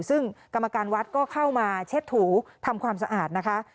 ซึ่งกรรมการวัดก็เข้ามาเช็ดถูทำความสะอาดนะคะ